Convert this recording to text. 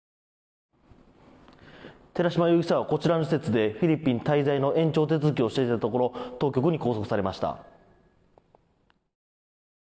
寺島容疑者はこちらの施設でフィリピン滞在の延長手続きをしていたところ当局に拘束されました。